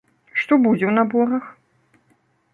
Што будзе ў наборах?